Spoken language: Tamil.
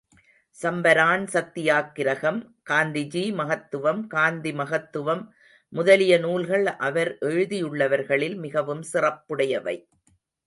சம்பரான் சத்தியாக்கிரகம் காந்திஜீ மகத்துவம், காந்தி தத்துவம் முதலிய நூல்கள் அவர் எழுதியுள்ளவைகளில் மிகவும் சிறப்புடையவை.